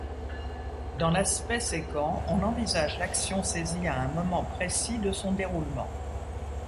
Dans l'aspect sécant, on envisage l'action saisie à un moment précis de son déroulement.